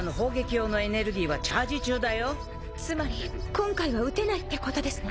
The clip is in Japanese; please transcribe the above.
今回は撃てないってことですね。